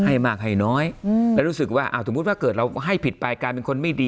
ให้มากให้น้อยแล้วรู้สึกว่าสมมุติว่าเกิดเราให้ผิดไปกลายเป็นคนไม่ดี